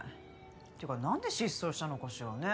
っていうかなんで失踪したのかしらね？